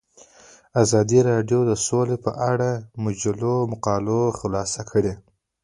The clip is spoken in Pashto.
ازادي راډیو د سوله په اړه د مجلو مقالو خلاصه کړې.